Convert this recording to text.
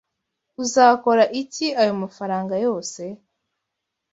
Uzakora iki ayo mafaranga yose?